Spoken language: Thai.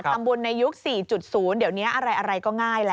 ทำบุญในยุค๔๐เดี๋ยวนี้อะไรก็ง่ายแล้ว